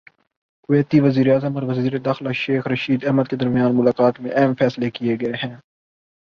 کویتی وزیراعظم اور وزیر داخلہ شیخ رشید احمد کے درمیان ملاقات میں اہم فیصلے کیے گئے ہیں